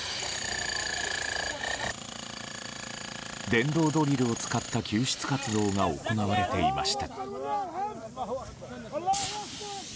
電動ドリルを使った救出活動が行われていました。